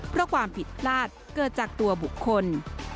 เพราะความผิดพลาดเกิดจากตัวบุคคล